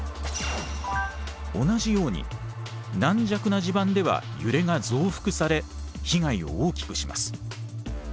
同じように軟弱な地盤では揺れが増幅され被害を大きくします。